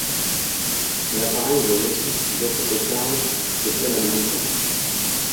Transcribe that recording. L'appareil vole aussi sous d'autres cocardes que celles américaines.